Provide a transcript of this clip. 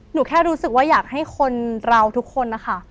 หนูแค่รู้สึกว่าอยากให้คนเราทุกคนนะคะ